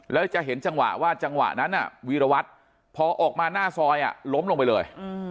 แล้วจะเห็นจังหวะว่าจังหวะนั้นวีรวัตรพอออกมาหน้าซอยล้มลงไปเลย